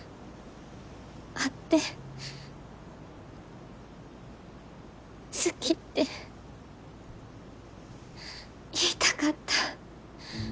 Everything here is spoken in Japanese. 会って好きって言いたかった。